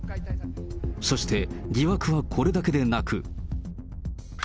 そして、疑惑はこれだけでなく。